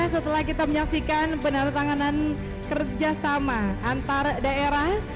setelah kita menyaksikan penandatanganan kerjasama antar daerah